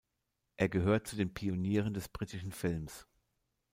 Er gehört zu den Pionieren des britischen Films.